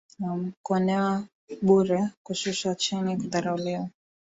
Kuonewa bure, kushushwa chini, kudharauliwa.